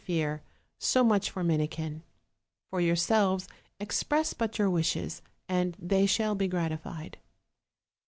fear: so much for Minikin. For yourselves, express but your wishes, and they shall be gratified."